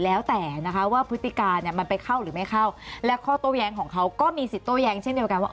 แล้วแต่นะคะว่าพฤติการเนี่ยมันไปเข้าหรือไม่เข้าและข้อโต้แย้งของเขาก็มีสิทธิโต้แย้งเช่นเดียวกันว่า